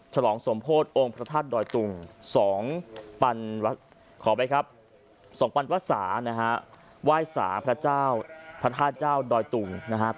ฉลองสมโพธิ์องค์พระธาตุโดยตุงส่องปันวัสสาว่ายศาพระเจ้าพระธาตุเจ้าโดยตุง